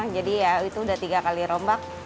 jadi ya itu sudah tiga kali rombak